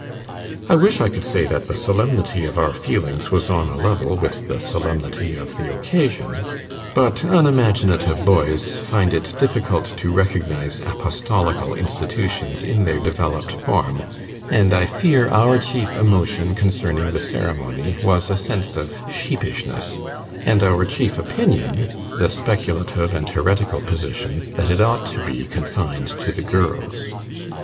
I wish I could say that the solemnity of our feelings was on a level with the solemnity of the occasion; but unimaginative boys find it difficult to recognize apostolical institutions in their developed form, and I fear our chief emotion concerning the ceremony was a sense of sheepishness, and our chief opinion, the speculative and heretical position, that it ought to be confined to the girls.